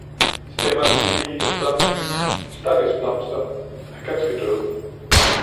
Stemmer den lille idas blomstermine stakkels blomster er ganske døde